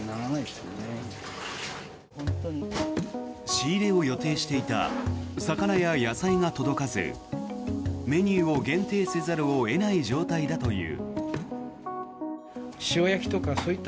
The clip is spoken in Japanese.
仕入れを予定していた魚や野菜が届かずメニューを限定せざるを得ない状態だという。